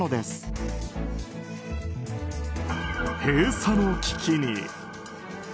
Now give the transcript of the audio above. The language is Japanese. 閉鎖の危機に。